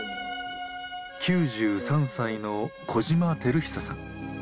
９３歳の小島輝久さん。